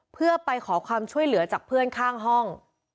เพื่อไปขอความช่วยเหลือจากเพื่อนข้างห้อง